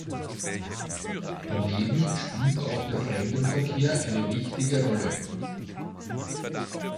Daneben spielt auch der Fremdenverkehr eine wichtige Rolle.